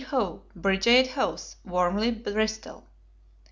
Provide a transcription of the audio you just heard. How, Bridgeyate House, Warmly, Bristol.